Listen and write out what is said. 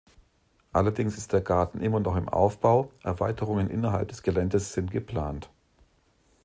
Allerdings ist der Garten immer noch im Aufbau, Erweiterungen innerhalb des Geländes sind geplant.